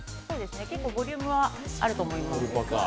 結構ボリュームはあると思います。